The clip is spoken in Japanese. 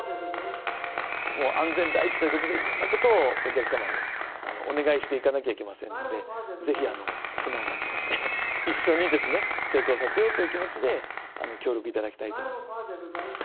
もう安全第一ということで、いろんなことをお客様にお願いしていかなきゃいけませんので、ぜひ素直な気持ちで、一緒に成功させようという気持ちで協力いただきたいと思います。